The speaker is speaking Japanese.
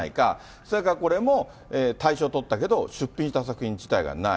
それからこれも、大賞とったけど、出品した作品自体がない。